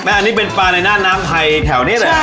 อันนี้เป็นปลาในหน้าน้ำไทยแถวนี้เลย